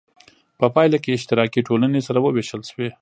په پایله کې اشتراکي ټولنې سره وویشل شوې.